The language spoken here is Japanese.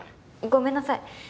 ごめんなさい。